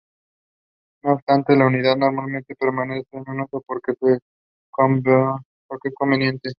No obstante, la unidad normalmente permanece en uso porque es conveniente.